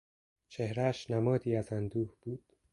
چهرهاش نمادی از اندوه بود.